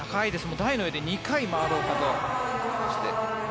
台の上で２回回ろうかと。